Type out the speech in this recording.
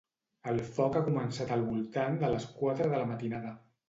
El foc ha començat al voltant de les quatre de la matinada.